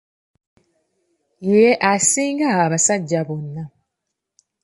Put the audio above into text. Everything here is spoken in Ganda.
Ye asinga abasajja bonna.